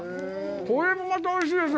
これもまたおいしいです。